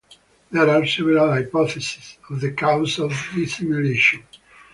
There are several hypotheses on the cause of dissimilation.